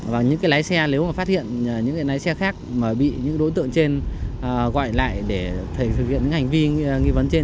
và những cái lái xe nếu mà phát hiện những cái lái xe khác mà bị những đối tượng trên gọi lại để thực hiện những hành vi nghi vấn trên